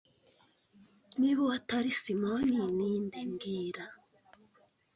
Niba uwo atari Simoni, ninde mbwira